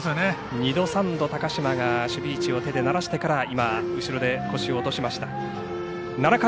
２度３度、高嶋が守備位置を手でならしてから腰をを落としました。